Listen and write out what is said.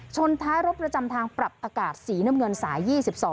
ท้ายรถประจำทางปรับอากาศสีน้ำเงินสาย๒๒